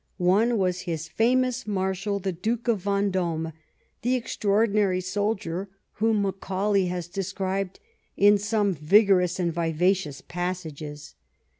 One was his famous marshal, the Duke of Yendome, the extraordinary soldier whom Macaulay has de scribed in some vigorous and vivacious passages.